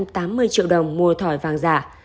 bốn trăm tám mươi triệu đồng mua thỏi vàng giả